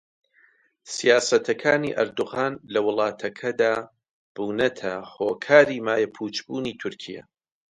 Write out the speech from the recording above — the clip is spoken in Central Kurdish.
سیاسەتەکانی ئەردۆغان لە وڵاتەکەدا بوونەتە هۆکاری مایەپووچبوونی تورکیا